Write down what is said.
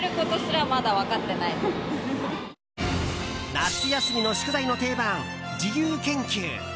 夏休みの宿題の定番、自由研究。